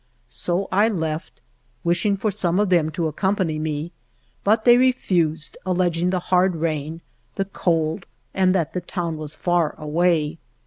So I left, wishing for some of them to accompany me, but they refused, alleging the hard rain, the cold and that the town was far away.